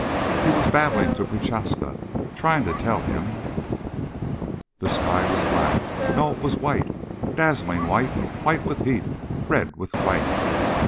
He was babbling to Prochaska, trying to tell him ... The sky was black. No, it was white, dazzling white, white with heat, red with flame.